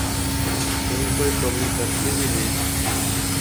فیر کوئِی کمی پرتی وی نئیں